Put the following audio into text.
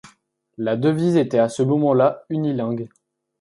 La devise était à ce moment-là unilingue.